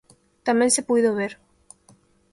Tamén se puido ver.